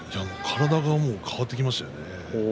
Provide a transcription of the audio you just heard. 体が変わってきましたね。